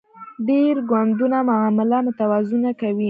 ډیر ګوندونه معامله متوازنه کوي